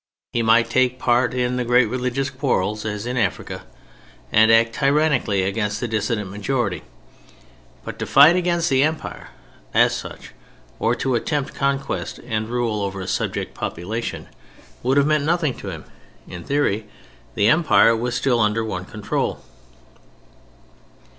He might take part in the great religious quarrels (as in Africa) and act tyrannically against a dissident majority, but to fight against the Empire as such or to attempt conquest and rule over a "subject population" would have meant nothing to him; in theory the Empire was still under one control.